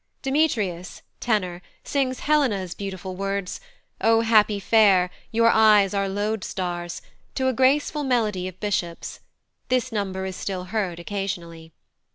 Demetrius (tenor) sings Helena's beautiful words, "O happy fair, your eyes are lodestars," to a graceful melody of Bishop's: this number is still heard occasionally.